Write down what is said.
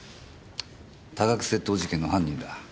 多額窃盗事件の犯人だ。